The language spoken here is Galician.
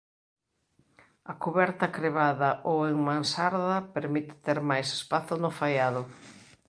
A cuberta crebada ou en mansarda permite ter máis espazo no faiado.